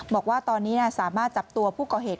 บอกว่าตอนนี้สามารถจับตัวผู้ก่อเหตุ